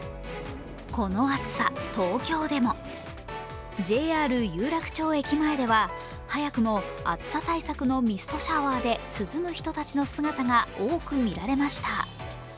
この暑さ、東京でもＪＲ有楽町駅前では早くも暑さ対策のミストシャワーで涼む人たちの姿が多く見られました。